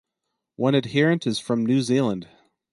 One adherent is from New Zealand.